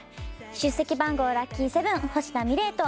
出席番号ラッキー７星名美怜と。